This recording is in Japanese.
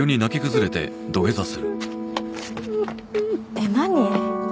えっ何？